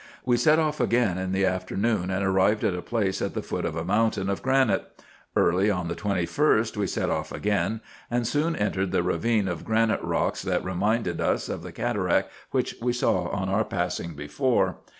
We set off again in the afternoon, and arrived at a place at the foot of a mountain of granite. Early on the 21st, we set off again, and soon entered the ravine of granite rocks, that reminded us of the cataract which we saw on our passing before.